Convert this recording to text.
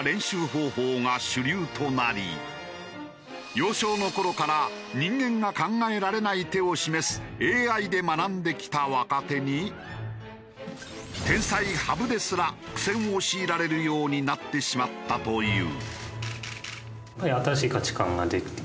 幼少の頃から人間が考えられない手を示すＡＩで学んできた若手に天才羽生ですら苦戦を強いられるようになってしまったという。